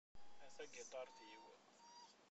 A tagiṭart-iw...